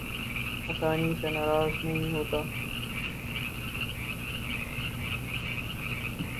آسانی سے ناراض نہیں ہوتا